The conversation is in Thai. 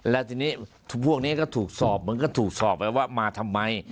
แล้วทีนี้พวกนี้ก็ถูกสอบเหมือนก็ถูกสอบไปว่ามาทำไม